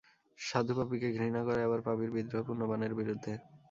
সাধু পাপীকে ঘৃণা করে, আবার পাপীর বিদ্রোহ পুণ্যবানের বিরুদ্ধে।